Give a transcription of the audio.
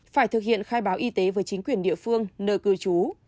phải thực hiện khai báo y tế với chính quyền địa phương nơi cư trú